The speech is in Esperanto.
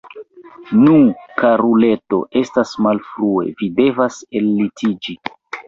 Nu, karuleto, estas malfrue, vi devas ellitiĝi!